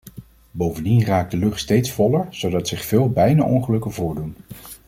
Bovendien raakt de lucht steeds voller, zodat zich veel bijna-ongelukken voordoen.